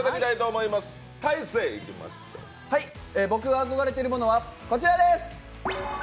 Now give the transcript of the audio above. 僕が憧れているものは、こちらです。